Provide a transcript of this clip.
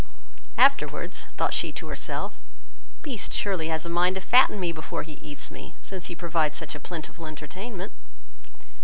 Afterwards, thought she to herself, "Beast surely has a mind to fatten me before he eats me, since he provides such a plentiful entertainment."